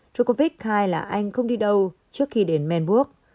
djokovic khai là anh không đi đâu trước khi đến melbourne